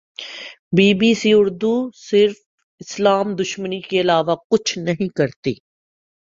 be B C Urdu صرف اسلام دشمنی کے علاوہ کچھ نہیں کرتی